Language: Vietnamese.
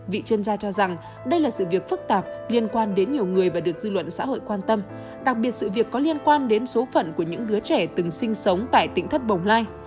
vị chuyên gia cho rằng đây là sự việc phức tạp liên quan đến nhiều người và được dư luận xã hội quan tâm đặc biệt sự việc có liên quan đến số phận của những đứa trẻ từng sinh sống tại tỉnh thất bồng lai